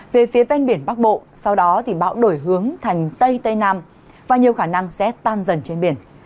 về phía ven biển bắc bộ sau đó bão đổi hướng thành tây tây nam và nhiều khả năng sẽ tan dần trên biển